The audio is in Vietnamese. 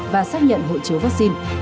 và xác nhận hộ chiếu vaccine